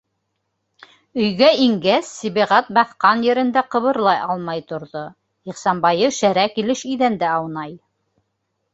Өйгә ингәс, Сибәғәт баҫҡан ерендә ҡыбырлай алмай торҙо: Ихсанбайы шәрә килеш иҙәндә аунай.